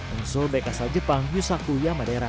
unsur bekasah jepang yusaku yamadera